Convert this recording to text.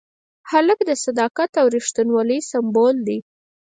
هلک د صداقت او ریښتینولۍ سمبول دی.